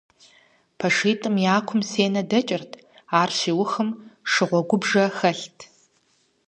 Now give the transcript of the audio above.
ПэшитӀым я кум сенэ дэкӀырт, ар щиухым шыгъуэгубжэ хэлът.